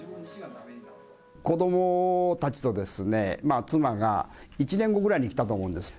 子どもたちと、妻が１年後ぐらいに来たと思うんです。